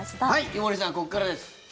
井森さん、ここからです。